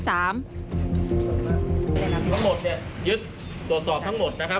ทั้งหมดเนี่ยยึดตรวจสอบทั้งหมดนะครับ